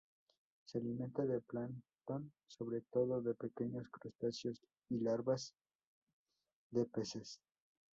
Se alimenta de plancton, sobre todo de pequeños crustáceos y larvas de peces.